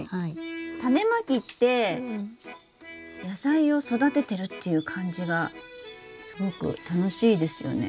タネまきって野菜を育ててるっていう感じがすごく楽しいですよね。